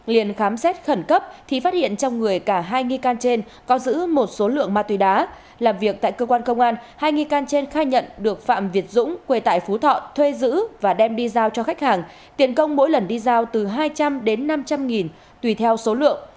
liền khám xét khẩn cấp thì phát hiện trong người cả hai nghi can trên có giữ một số lượng ma túy đá làm việc tại cơ quan công an hai nghi can trên khai nhận được phạm việt dũng quê tại phú thọ thuê giữ và đem đi giao cho khách hàng tiện công mỗi lần đi giao từ hai trăm linh đến năm trăm linh nghìn tùy theo số lượng